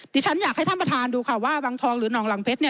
ดิฉันอยากให้ท่านประธานดูค่ะว่าวังทองหรือหนองหลังเพชรเนี่ย